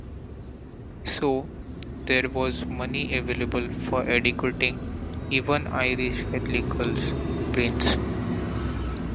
So, there was money available for educating even Irish Catholic girls' brains.